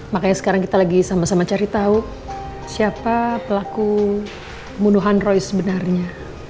makanya sekarang kita lagi sama sama cari tahu siapa pelaku bunuhan roy sebenarnya